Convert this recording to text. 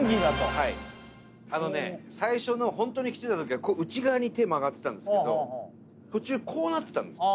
はいあのね最初のホントに来てた時はこう内側に手曲がってたんですけど途中こうなってたんですよね